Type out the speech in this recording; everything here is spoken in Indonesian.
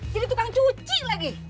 jadi tukang cuci lagi